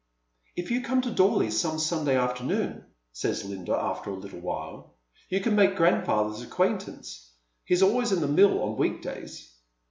" If you come to Dorley some Sunday afternoon," says Linda, after a little while, "you can make grandfather's acquaintance. He's always in the mill on week days."